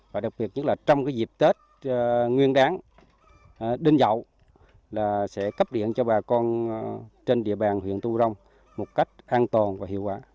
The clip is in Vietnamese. và đặc biệt nhất là trong dịp tết nguyên đán đinh dậu sẽ cấp điện cho bà con trên địa bàn huyện tumurong một cách an toàn và hiệu quả